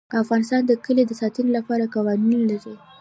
افغانستان د کلي د ساتنې لپاره قوانین لري.